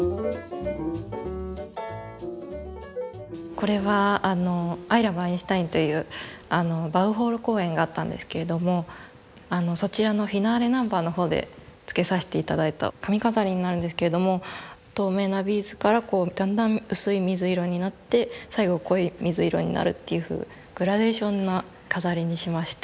これは「アイラブアインシュタイン」というバウホール公演があったんですけれどもそちらのフィナーレナンバーのほうでつけさせて頂いた髪飾りになるんですけれども透明なビーズからこうだんだん薄い水色になって最後濃い水色になるというグラデーションな飾りにしまして。